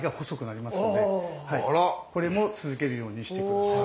これも続けるようにして下さい。